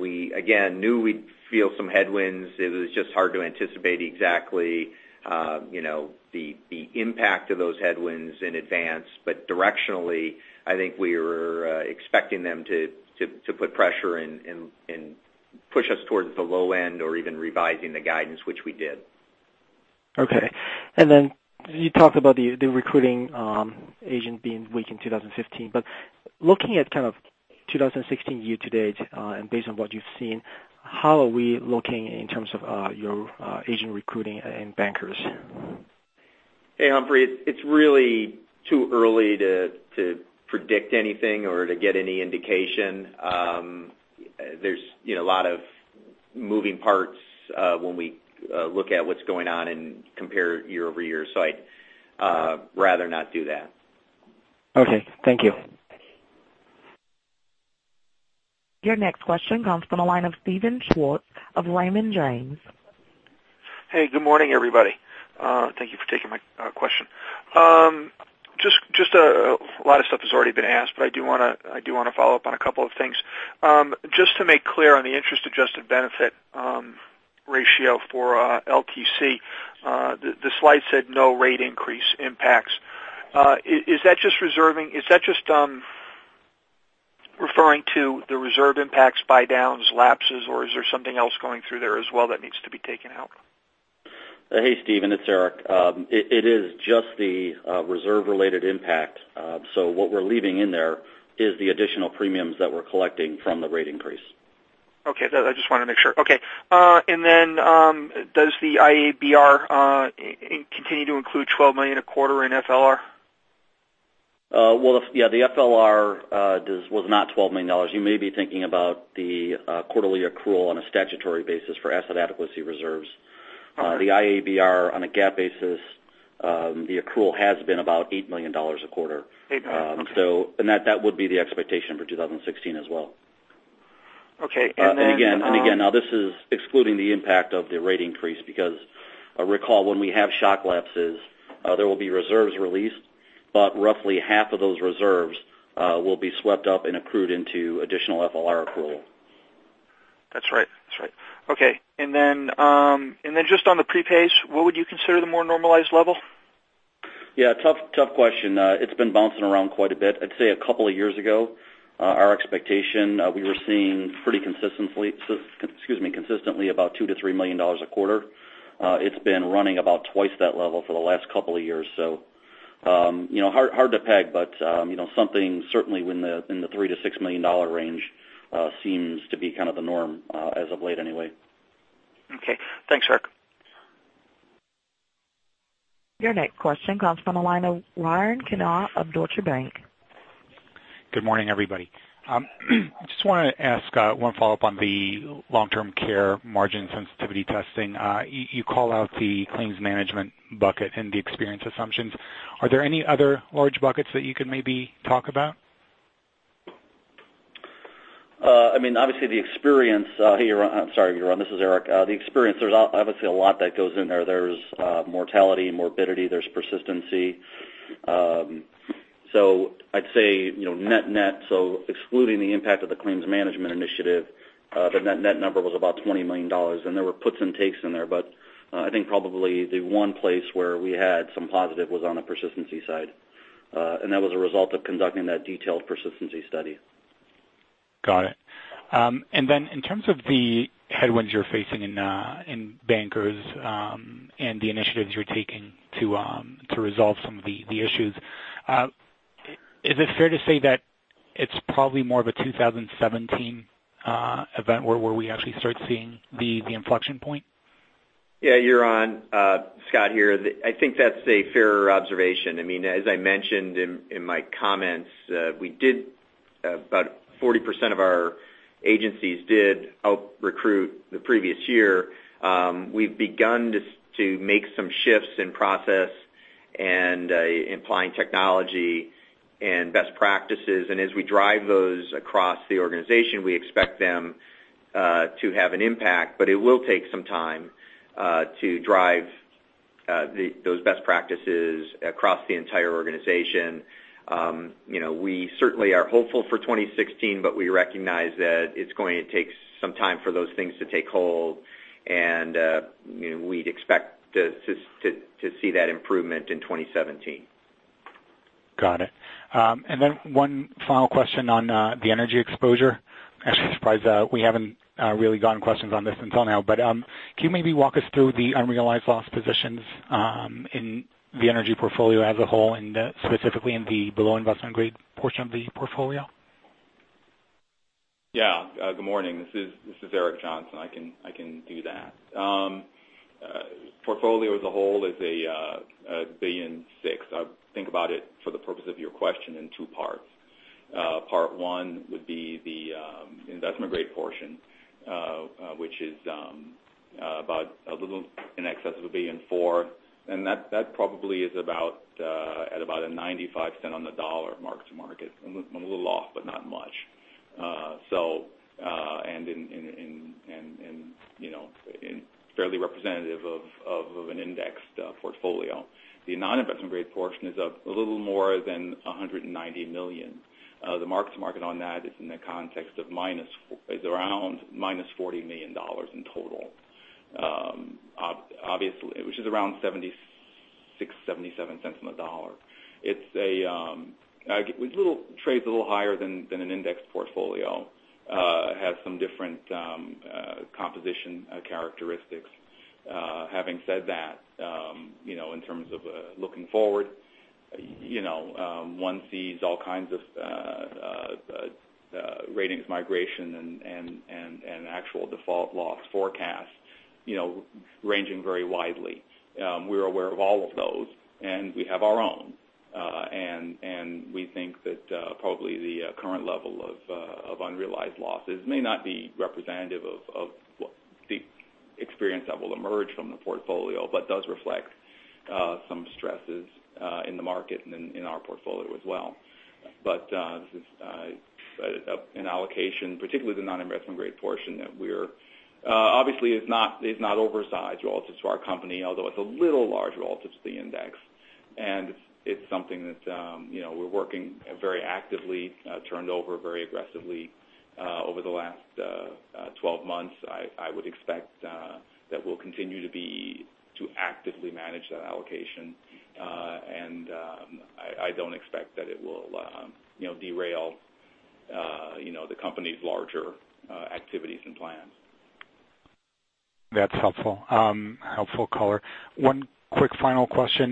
We, again, knew we'd feel some headwinds. It was just hard to anticipate exactly the impact of those headwinds in advance. Directionally, I think we were expecting them to put pressure and push us towards the low end or even revising the guidance, which we did. Okay. You talked about the recruiting agent being weak in 2015. Looking at kind of 2016 year-to-date, and based on what you've seen, how are we looking in terms of your agent recruiting and Bankers? Hey, Humphrey. It's really too early to predict anything or to get any indication. There's a lot of moving parts when we look at what's going on and compare year-over-year. I'd rather not do that. Okay. Thank you. Your next question comes from the line of Steven Schwartz of Raymond James. Hey, good morning, everybody. Thank you for taking my question. A lot of stuff has already been asked, I do want to follow up on a couple of things. Just to make clear on the interest-adjusted benefit ratio for LTC, the slide said no rate increase impacts. Is that just referring to the reserve impacts, buy downs, lapses, or is there something else going through there as well that needs to be taken out? Hey, Steven, it's Erik. It is just the reserve-related impact. What we're leaving in there is the additional premiums that we're collecting from the rate increase. Okay. I just want to make sure. Okay. Does the IABR continue to include $12 million a quarter in FLR? Well, yeah, the FLR was not $12 million. You may be thinking about the quarterly accrual on a statutory basis for asset adequacy reserves. The IABR on a GAAP basis, the accrual has been about $8 million a quarter. $8 million. Okay. That would be the expectation for 2016 as well. Okay. Again, now this is excluding the impact of the rate increase because recall when we have shock lapses, there will be reserves released, but roughly half of those reserves will be swept up and accrued into additional FLR accrual. That's right. Okay. Just on the prepays, what would you consider the more normalized level? Yeah, tough question. It's been bouncing around quite a bit. I'd say a couple of years ago, our expectation, we were seeing pretty consistently about $2 million to $3 million a quarter. It's been running about twice that level for the last couple of years. Hard to peg, but something certainly in the $3 million to $6 million range seems to be kind of the norm as of late anyway. Okay. Thanks, Erik. Your next question comes from the line of Yaron Kinar of Deutsche Bank. Good morning, everybody. I just want to ask one follow-up on the long-term care margin sensitivity testing. You call out the claims management bucket and the experience assumptions. Are there any other large buckets that you could maybe talk about? Hey, Yaron. I'm sorry, Yaron, this is Erik. The experience, there's obviously a lot that goes in there. There's mortality, morbidity, there's persistency. I'd say net net, excluding the impact of the claims management initiative, the net number was about $20 million, and there were puts and takes in there. I think probably the one place where we had some positive was on the persistency side. That was a result of conducting that detailed persistency study. Got it. In terms of the headwinds you're facing in Bankers, and the initiatives you're taking to resolve some of the issues, is it fair to say that it's probably more of a 2017 event where we actually start seeing the inflection point? Yeah, Yaron. Scott here. I think that's a fairer observation. I mean, as I mentioned in my comments, about 40% of our agencies did out recruit the previous year. We've begun to make some shifts in process and applying technology and best practices. As we drive those across the organization, we expect them to have an impact. It will take some time to drive those best practices across the entire organization. We certainly are hopeful for 2016, but we recognize that it's going to take some time for those things to take hold, and we'd expect to see that improvement in 2017. Got it. One final question on the energy exposure. Actually surprised we haven't really gotten questions on this until now. Can you maybe walk us through the unrealized loss positions in the energy portfolio as a whole and specifically in the below investment-grade portion of the portfolio? Yeah. Good morning. This is Eric Johnson. I can do that. Portfolio as a whole is $1.6 billion. I think about it for the purpose of your question in two parts. Part one would be the investment-grade portion, which is About a little in excess of $1.4 billion. That probably is at about a $0.95 on the dollar mark to market. A little off, but not much. Fairly representative of an indexed portfolio. The non-investment grade portion is a little more than $190 million. The mark to market on that is in the context of around minus $40 million in total. Which is around $0.76, $0.77 on the dollar. It trades a little higher than an indexed portfolio, has some different composition characteristics. Having said that, in terms of looking forward, one sees all kinds of ratings migration and actual default loss forecasts ranging very widely. We're aware of all of those, and we have our own. We think that probably the current level of unrealized losses may not be representative of the experience that will emerge from the portfolio, does reflect some stresses in the market and in our portfolio as well. This is an allocation, particularly the non-investment grade portion. Obviously it's not oversized relative to our company, although it's a little large relative to the index. It's something that we're working very actively, turned over very aggressively over the last 12 months. I would expect that we'll continue to actively manage that allocation. I don't expect that it will derail the company's larger activities and plans. That's helpful color. One quick final question.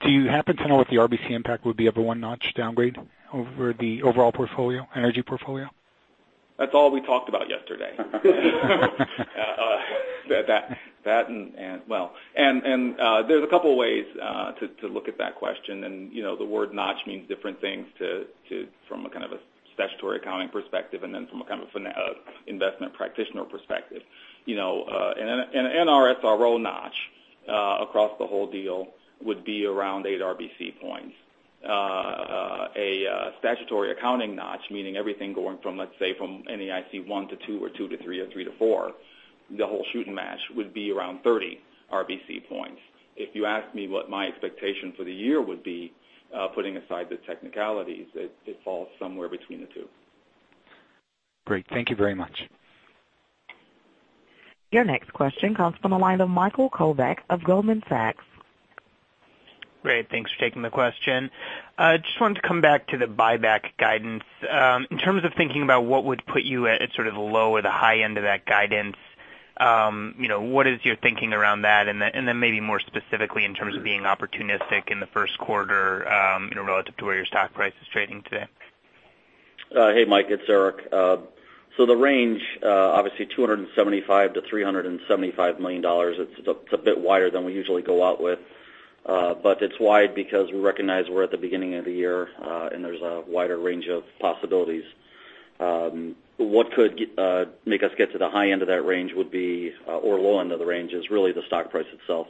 Do you happen to know what the RBC impact would be of a one-notch downgrade over the overall energy portfolio? That's all we talked about yesterday. There's a couple ways to look at that question. The word notch means different things from a kind of a statutory accounting perspective, and then from a kind of investment practitioner perspective. An NRSRO notch across the whole deal would be around eight RBC points. A statutory accounting notch, meaning everything going from, let's say, from any NAIC 1 to 2 or 2 to 3 or 3 to 4, the whole shooting match would be around 30 RBC points. If you ask me what my expectation for the year would be, putting aside the technicalities, it falls somewhere between the two. Great. Thank you very much. Your next question comes from the line of Michael Kovac of Goldman Sachs. Great. Thanks for taking the question. Just wanted to come back to the buyback guidance. In terms of thinking about what would put you at sort of the low or the high end of that guidance, what is your thinking around that? Maybe more specifically in terms of being opportunistic in the first quarter, relative to where your stock price is trading today. Hey, Mike, it's Erik. The range, obviously $275 million-$375 million. It's a bit wider than we usually go out with. It's wide because we recognize we're at the beginning of the year, and there's a wider range of possibilities. What could make us get to the high end of that range or low end of the range is really the stock price itself,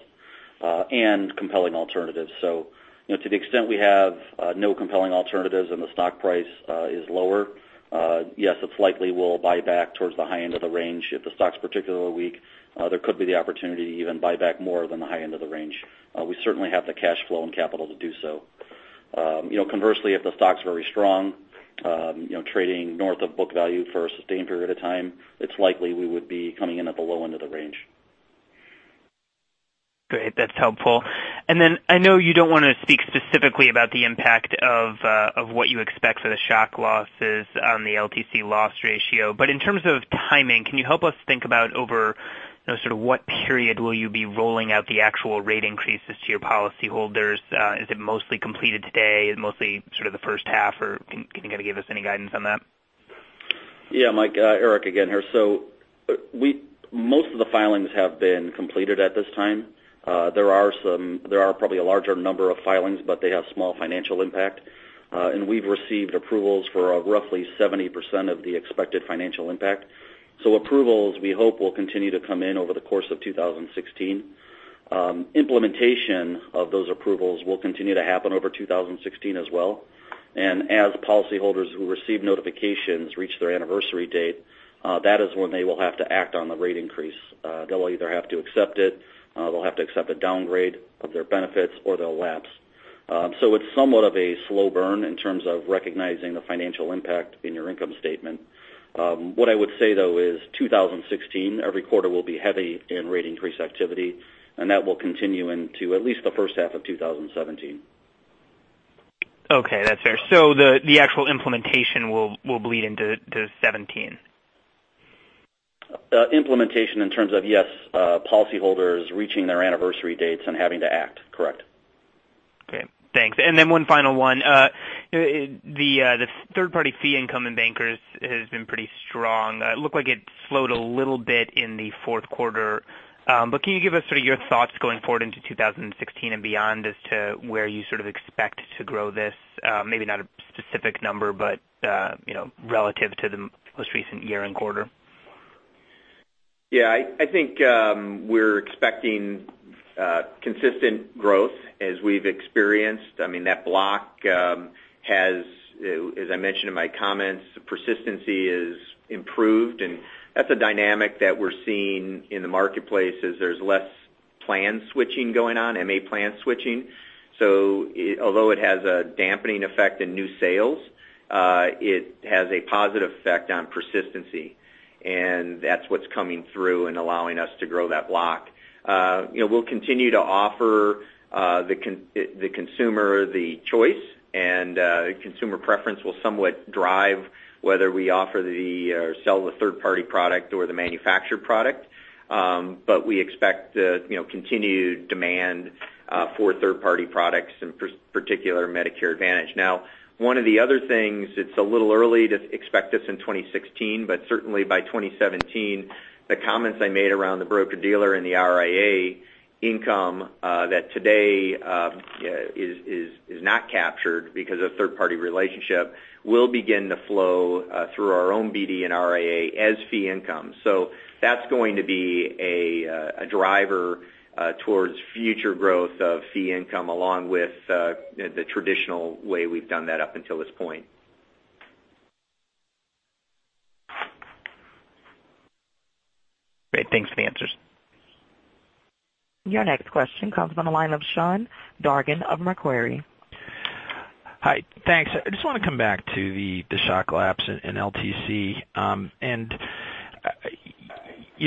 and compelling alternatives. To the extent we have no compelling alternatives and the stock price is lower, yes, it's likely we'll buy back towards the high end of the range. If the stock's particularly weak, there could be the opportunity to even buy back more than the high end of the range. We certainly have the cash flow and capital to do so. Conversely, if the stock's very strong, trading north of book value for a sustained period of time, it's likely we would be coming in at the low end of the range. Great. That's helpful. I know you don't want to speak specifically about the impact of what you expect for the shock losses on the LTC loss ratio. In terms of timing, can you help us think about over sort of what period will you be rolling out the actual rate increases to your policyholders? Is it mostly completed today? Is it mostly sort of the first half, or can you give us any guidance on that? Yeah, Mike, Erik again here. Most of the filings have been completed at this time. There are probably a larger number of filings, but they have small financial impact. We've received approvals for roughly 70% of the expected financial impact. Approvals, we hope, will continue to come in over the course of 2016. Implementation of those approvals will continue to happen over 2016 as well. As policyholders who receive notifications reach their anniversary date, that is when they will have to act on the rate increase. They'll either have to accept it, they'll have to accept a downgrade of their benefits, or they'll lapse. It's somewhat of a slow burn in terms of recognizing the financial impact in your income statement. What I would say, though, is 2016, every quarter will be heavy in rate increase activity, and that will continue into at least the first half of 2017. Okay, that's fair. The actual implementation will bleed into 2017. Implementation in terms of, yes, policyholders reaching their anniversary dates and having to act. Correct. Okay, thanks. One final one. The third-party fee income in Bankers has been pretty strong. It looked like it slowed a little bit in the fourth quarter. Can you give us sort of your thoughts going forward into 2016 and beyond as to where you sort of expect to grow this? Maybe not a specific number, but relative to the most recent year and quarter. I think we're expecting consistent growth as we've experienced. That block has, as I mentioned in my comments, persistency is improved, and that's a dynamic that we're seeing in the marketplace, is there's less plan switching going on, MA plan switching. Although it has a dampening effect in new sales, it has a positive effect on persistency, and that's what's coming through and allowing us to grow that block. We'll continue to offer the consumer the choice, and consumer preference will somewhat drive whether we offer the third-party product or the manufactured product. We expect continued demand for third-party products, in particular, Medicare Advantage. One of the other things, it's a little early to expect this in 2016, but certainly by 2017, the comments I made around the broker-dealer and the RIA income, that today is not captured because of third-party relationship, will begin to flow through our own BD and RIA as fee income. That's going to be a driver towards future growth of fee income along with the traditional way we've done that up until this point. Great. Thanks for the answers. Your next question comes from the line of Sean Dargan of Macquarie. Hi. Thanks. I just want to come back to the shock lapse in LTC.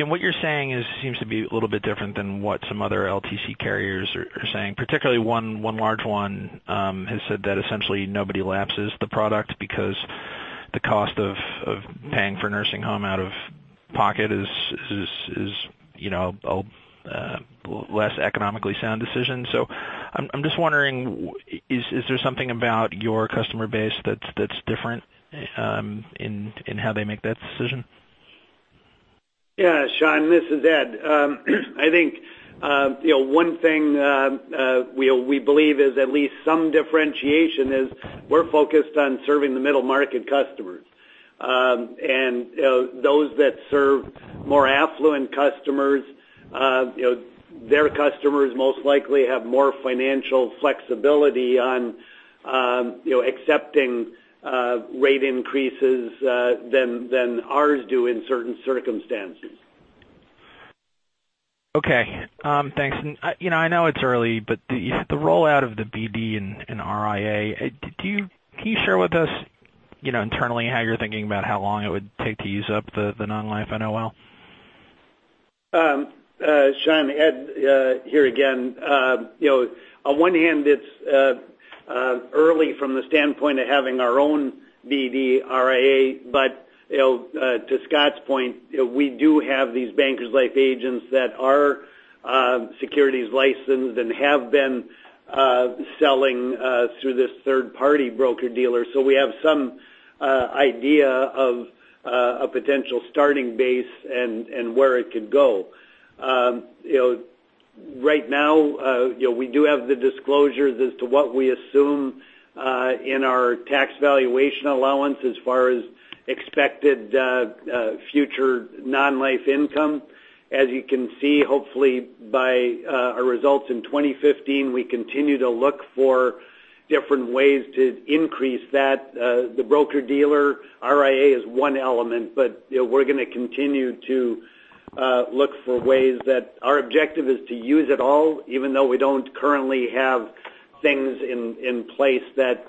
What you're saying seems to be a little bit different than what some other LTC carriers are saying. Particularly one large one has said that essentially nobody lapses the product because the cost of paying for nursing home out of pocket is a less economically sound decision. I'm just wondering, is there something about your customer base that's different in how they make that decision? Yeah, Sean, this is Ed. I think one thing we believe is at least some differentiation is we're focused on serving the middle-market customers. Those that serve more affluent customers, their customers most likely have more financial flexibility on accepting rate increases than ours do in certain circumstances. Okay. Thanks. I know it's early, the rollout of the BD and RIA, can you share with us internally how you're thinking about how long it would take to use up the non-life NOL? Sean, Ed here again. On one hand, it's early from the standpoint of having our own BD RIA. To Scott's point, we do have these Bankers Life agents that are securities licensed and have been selling through this third-party broker-dealer. We have some idea of a potential starting base and where it could go. Right now, we do have the disclosures as to what we assume in our tax valuation allowance as far as expected future non-life income. As you can see, hopefully by our results in 2015, we continue to look for different ways to increase that. The broker-dealer RIA is one element. We're going to continue to look for ways that our objective is to use it all, even though we don't currently have things in place that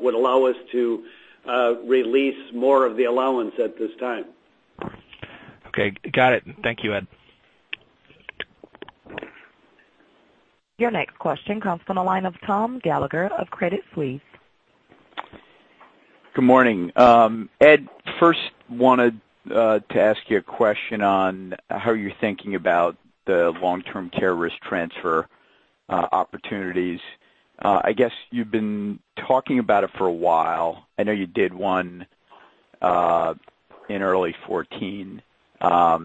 would allow us to release more of the allowance at this time. Okay, got it. Thank you, Ed. Your next question comes from the line of Tom Gallagher of Credit Suisse. Good morning. Ed, first wanted to ask you a question on how you're thinking about the long-term care risk transfer opportunities. I guess you've been talking about it for a while. I know you did one in early 2014. Can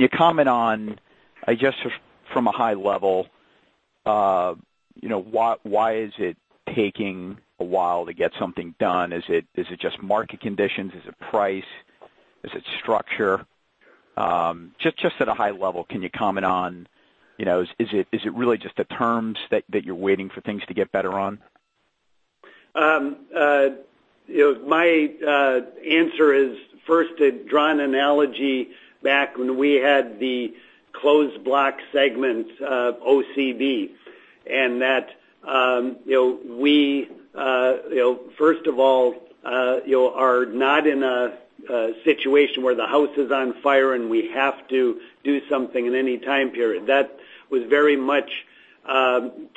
you comment on, just from a high level, why is it taking a while to get something done? Is it just market conditions? Is it price? Is it structure? Just at a high level, can you comment on, is it really just the terms that you're waiting for things to get better on? My answer is first to draw an analogy back when we had the closed block segment of CLIC. That we, first of all, are not in a situation where the house is on fire, and we have to do something in any time period. That was very much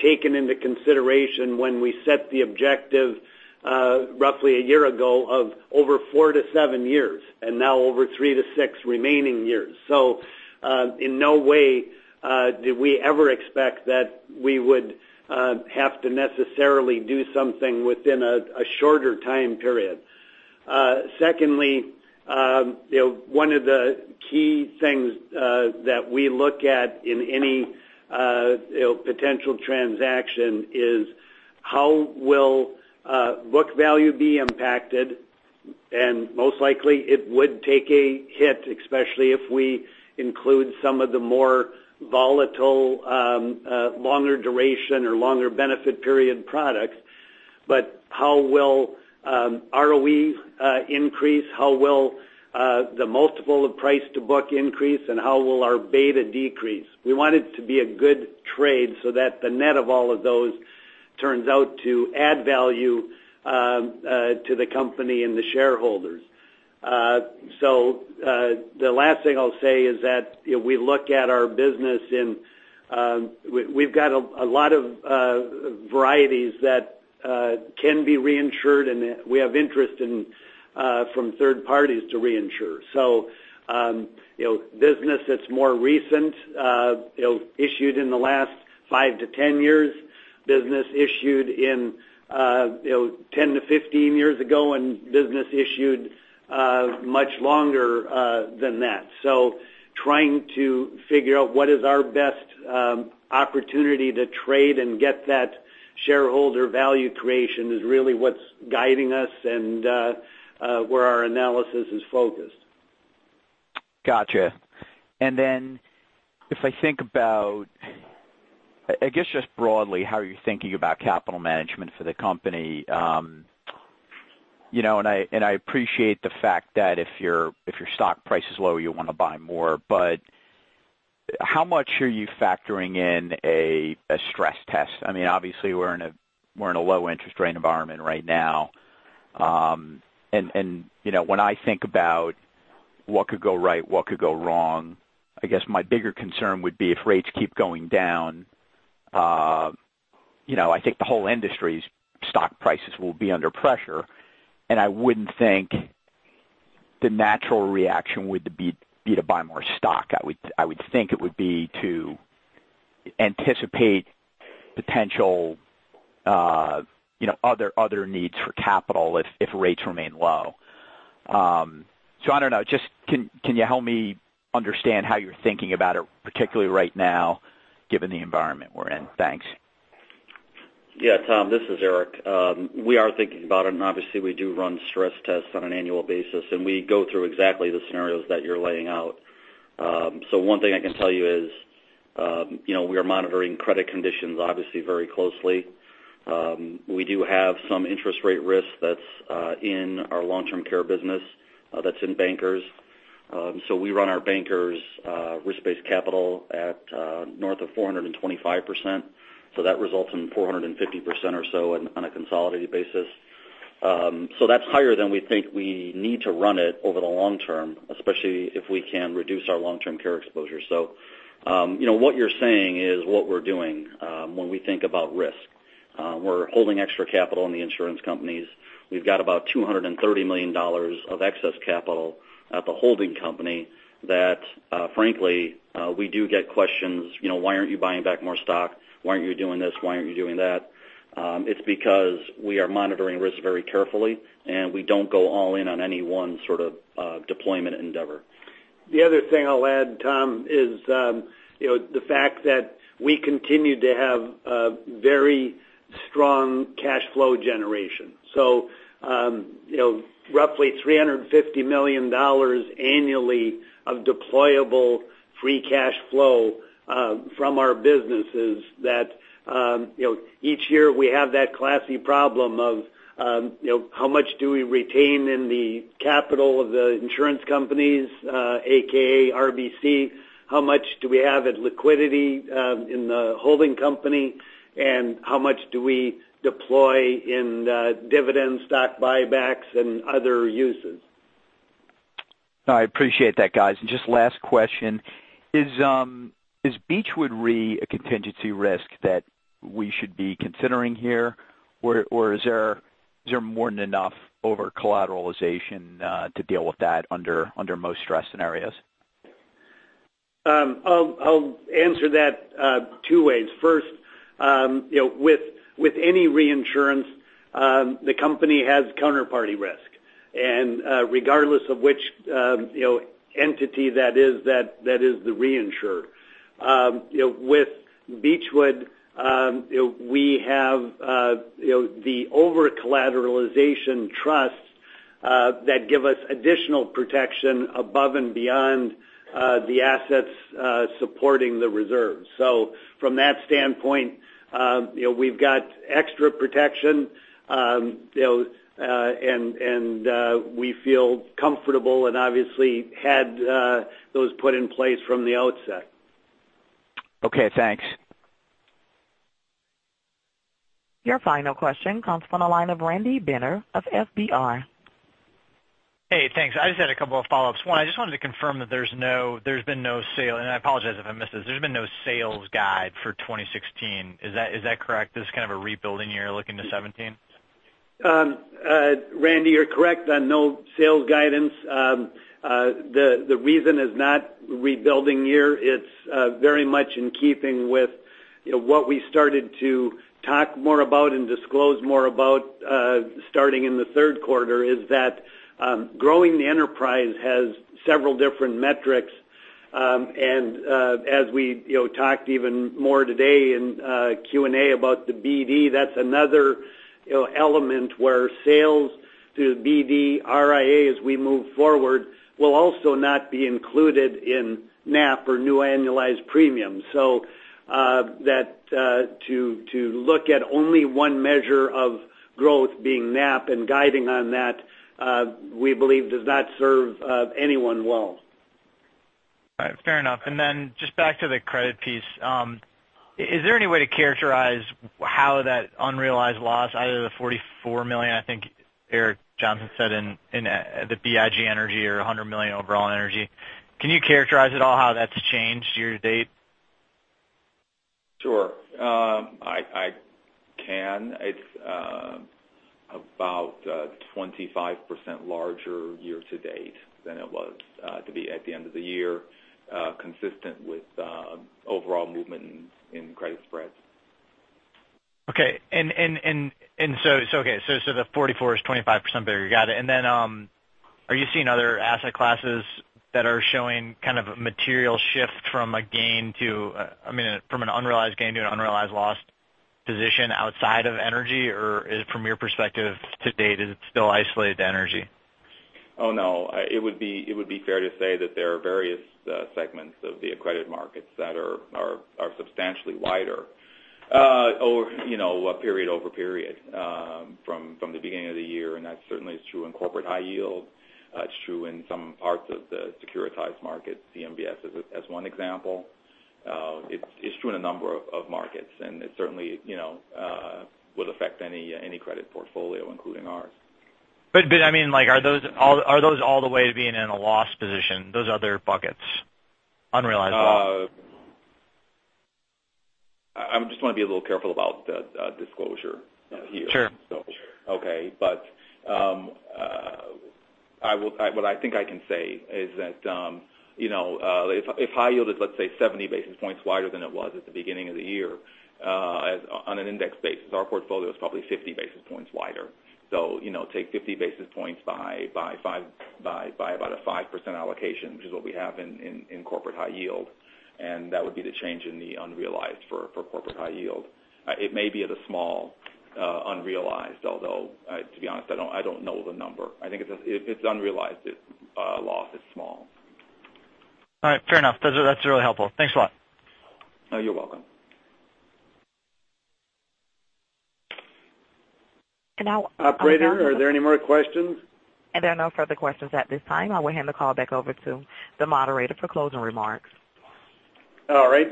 taken into consideration when we set the objective roughly a year ago of over 4 to 7 years, and now over 3 to 6 remaining years. In no way did we ever expect that we would have to necessarily do something within a shorter time period. Secondly, one of the key things that we look at in any potential transaction is How will book value be impacted? Most likely it would take a hit, especially if we include some of the more volatile, longer duration or longer benefit period products. How will ROEs increase? How will the multiple of price to book increase, and how will our beta decrease? We want it to be a good trade so that the net of all of those turns out to add value to the company and the shareholders. The last thing I'll say is that we look at our business. We've got a lot of varieties that can be reinsured, and we have interest from third parties to reinsure. Business that's more recent, issued in the last 5 to 10 years, business issued 10 to 15 years ago, and business issued much longer than that. Trying to figure out what is our best opportunity to trade and get that shareholder value creation is really what's guiding us and where our analysis is focused. Got you. If I think about, I guess, just broadly, how you're thinking about capital management for the company. I appreciate the fact that if your stock price is low, you'll want to buy more. How much are you factoring in a stress test? Obviously, we're in a low interest rate environment right now. When I think about what could go right, what could go wrong, I guess my bigger concern would be if rates keep going down, I think the whole industry's stock prices will be under pressure, and I wouldn't think the natural reaction would be to buy more stock. I would think it would be to anticipate potential other needs for capital if rates remain low. I don't know. Just can you help me understand how you're thinking about it, particularly right now, given the environment we're in? Thanks. Yeah, Tom, this is Erik. We are thinking about it, obviously, we do run stress tests on an annual basis, and we go through exactly the scenarios that you're laying out. One thing I can tell you is we are monitoring credit conditions, obviously, very closely. We do have some interest rate risk that's in our long-term care business, that's in Bankers. We run our Bankers risk-based capital at north of 425%, that results in 450% or so on a consolidated basis. That's higher than we think we need to run it over the long term, especially if we can reduce our long-term care exposure. What you're saying is what we're doing when we think about risk. We're holding extra capital in the insurance companies. We've got about $230 million of excess capital at the holding company that, frankly, we do get questions, why aren't you buying back more stock? Why aren't you doing this? Why aren't you doing that? It's because we are monitoring risk very carefully, we don't go all in on any one sort of deployment endeavor. The other thing I'll add, Tom, is the fact that we continue to have very strong cash flow generation. Roughly $350 million annually of deployable free cash flow from our businesses that each year we have that classy problem of how much do we retain in the capital of the insurance companies, AKA RBC, how much do we have at liquidity in the holding company, and how much do we deploy in dividends, stock buybacks, and other uses. I appreciate that, guys. Just last question. Is Beechwood Re a contingency risk that we should be considering here? Or is there more than enough over-collateralization to deal with that under most stress scenarios? I'll answer that two ways. First, with any reinsurance, the company has counterparty risk, regardless of which entity that is the reinsurer. With Beechwood, we have the over-collateralization trusts that give us additional protection above and beyond the assets supporting the reserves. From that standpoint, we've got extra protection, and we feel comfortable and obviously had those put in place from the outset. Okay, thanks. Your final question comes from the line of Randy Binner of FBR. Hey, thanks. I just had a couple of follow-ups. One, I just wanted to confirm that there has been no sale, and I apologize if I missed this. There has been no sales guide for 2016. Is that correct? This is kind of a rebuilding year looking to 2017? Randy, you are correct on no sales guidance. The reason is not rebuilding year. It is very much in keeping with what we started to talk more about and disclose more about starting in the third quarter is that growing the enterprise has several different metrics. As we talked even more today in Q&A about the BD, that is another element where sales to BD RIA as we move forward will also not be included in NAP or new annualized premiums. To look at only one measure of growth being NAP and guiding on that, we believe does not serve anyone well. All right. Fair enough. Just back to the credit piece. Is there any way to characterize how that unrealized loss out of the $44 million, I think Eric Johnson said in the BIG energy or $100 million overall energy? Can you characterize at all how that's changed year to date? Sure. I can. It's about 25% larger year to date than it was to be at the end of the year, consistent with overall movement in credit spreads. Okay. The $44 is 25% bigger. Got it. Are you seeing other asset classes that are showing kind of a material shift from an unrealized gain to an unrealized loss position outside of energy? Or from your perspective to date, is it still isolated to energy? Oh, no. It would be fair to say that there are various segments of the credit markets that are substantially wider period over period from the beginning of the year, and that certainly is true in corporate high yield. It's true in some parts of the securitized market, CMBS as one example. It's true in a number of markets, and it certainly would affect any credit portfolio, including ours. Are those all the way to being in a loss position, those other buckets? Unrealized loss. I just want to be a little careful about the disclosure here. Sure. Okay. What I think I can say is that if high yield is, let's say, 70 basis points wider than it was at the beginning of the year on an index basis, our portfolio is probably 50 basis points wider. Take 50 basis points by about a 5% allocation, which is what we have in corporate high yield, and that would be the change in the unrealized for corporate high yield. It may be at a small unrealized, although, to be honest, I don't know the number. I think it's unrealized. Its loss is small. All right. Fair enough. That's really helpful. Thanks a lot. Oh, you're welcome. now- Operator, are there any more questions? There are no further questions at this time. I will hand the call back over to the moderator for closing remarks. All right.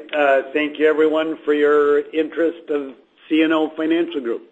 Thank you everyone for your interest of CNO Financial Group.